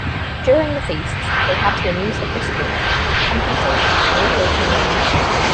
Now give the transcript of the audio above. During the feasts they had to amuse the Christians, competing in humiliating games.